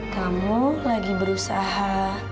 kamu lagi berusaha